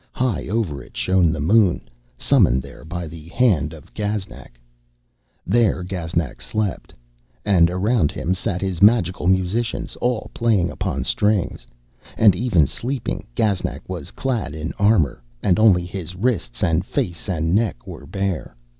High over it shone the moon, summoned there by the hand of Gaznak. There Gaznak slept, and around him sat his magical musicians, all playing upon strings. And, even sleeping, Gaznak was clad in armour, and only his wrists and face and neck were bare.